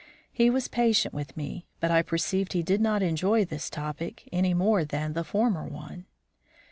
He was patient with me, but I perceived he did not enjoy this topic any more than the former one.